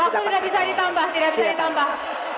waktu tidak bisa ditambah